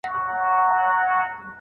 شومیت مه کوئ.